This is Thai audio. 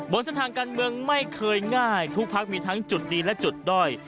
เส้นทางการเมืองไม่เคยง่ายทุกพักมีทั้งจุดดีและจุดด้อย